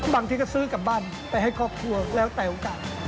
บางทีก็ซื้อกลับบ้านไปให้ครอบครัวแล้วแต่โอกาส